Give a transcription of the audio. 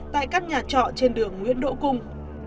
tại các nhà trọ trên đường nguyễn độ cung